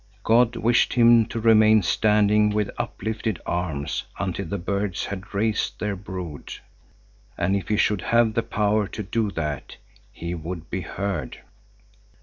God wished him to remain standing with uplifted arms until the birds had raised their brood; and if he should have the power to do that, he would be heard.